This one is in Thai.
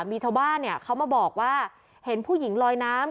มีชาวบ้านเขามาบอกว่าเห็นผู้หญิงลอยน้ำ